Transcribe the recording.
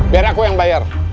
biar aku yang bayar